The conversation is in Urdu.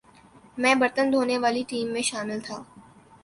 میں برتن دھونے والی ٹیم میں شامل تھا ۔